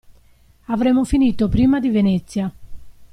Avremo finito prima di Venezia.